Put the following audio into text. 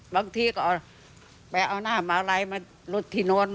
บางทีก็เอาหน้ามาไรคือมันลุดทีโน้น